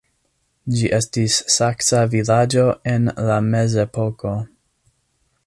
Ĝi estis saksa vilaĝo en la mezepoko.